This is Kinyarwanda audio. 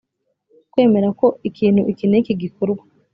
kwemerako ikintu iki n iki gikorwa